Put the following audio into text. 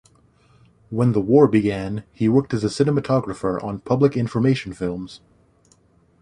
When the war began he worked as a cinematographer on public information films.